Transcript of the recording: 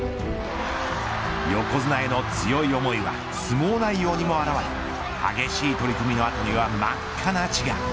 横綱への強い思いは相撲内容にも表れ激しい取り組みの後には真っ赤な血が。